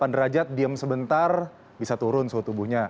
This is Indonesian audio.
tiga puluh delapan derajat diam sebentar bisa turun suhu tubuhnya